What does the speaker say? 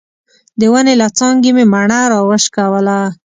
د ونې له څانګې مې مڼه راوشکوله.